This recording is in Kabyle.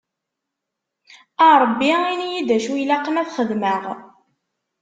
A Rebbi ini-yi-d acu ilaqen ad t-xedmeɣ.